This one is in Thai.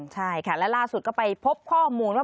ใช่ค่ะและล่าสุดก็ไปพบข้อมูลว่า